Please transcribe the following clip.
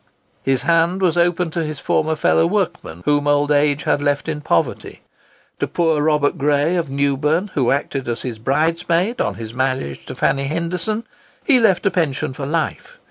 His hand was open to his former fellow workmen whom old age had left in poverty. To poor Robert Gray, of Newburn, who acted as his bridesman on his marriage to Fanny Henderson, he left a pension for life.